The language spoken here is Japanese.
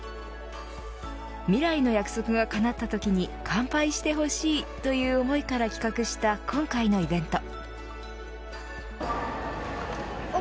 未来の約束がかなったときに乾杯してほしいという思いから企画した今回のイベント。